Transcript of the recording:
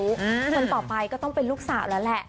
คนต่อไปก็ต้องเป็นลูกสาวแล้วแหละ